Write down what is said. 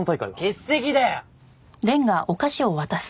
欠席だよ！